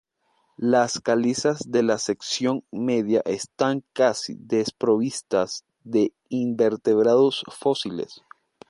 Las calizas de la sección media están casi desprovistas de invertebrados fósiles.